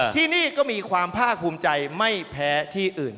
ที่นี่ก็มีความภาคภูมิใจไม่แพ้ที่อื่น